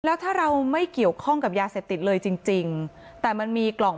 แล้วถ้าเราไม่เกี่ยวข้องกับยาเศรษฐติดเลยจริงมันมีกล่อง